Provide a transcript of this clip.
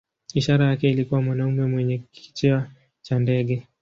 Ishara yake ilikuwa mwanamume mwenye kichwa cha ndege.